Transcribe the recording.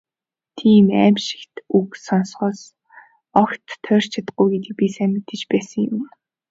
Тийм «аймшигт» үг сонсохоос огт тойрч чадахгүй гэдгийг би сайн мэдэж байсан юм.